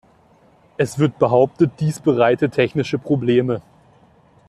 Es wird behauptet, dies bereite technische Probleme.